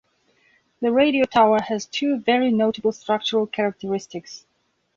The radio tower has two very notable structural characteristics.